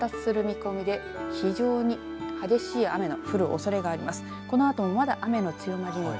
このあとも沖縄、局地的に雨雲が発達する見込みで非常に激しい雨の降るおそれがあります。